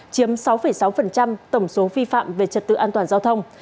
chiếm sáu sáu tổng số vi phạm về trật tự an toàn giao thông